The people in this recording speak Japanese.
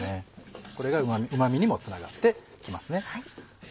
これがうま味にもつながってきますね。